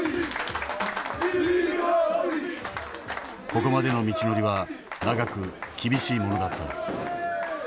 ここまでの道のりは長く厳しいものだった。